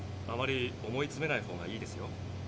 あまり思いつめないほうがいいですよ。